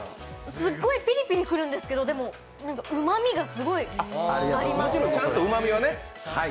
すっごいピリピリ来るんですけど、うまみがすごいありますね。